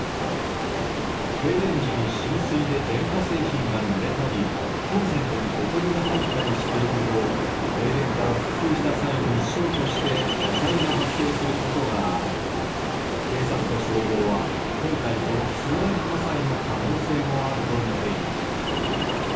停電時に浸水で電化製品がぬれたり、コンセントにほこりが入ったりしていると、停電から復旧した際にショートして、火災が発生することがあり、警察と消防は今回、この通電火災の可能性もあると見ている。